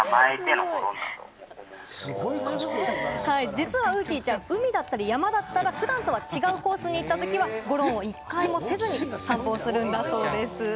実はうーきーちゃん、海だったり山だったり、普段と違うコースに行った時は、ごろんを１回もせずに散歩するんだそうです。